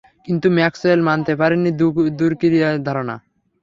কিন্তু ম্যাক্সওয়েল মানতে পারেননি দূরক্রিয়ার ধারণা।